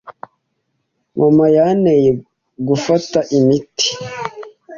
Mama yanteye gufata imiti.